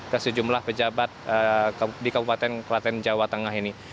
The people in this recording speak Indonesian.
ke sejumlah pejabat di kabupaten kelaten jawa tengah ini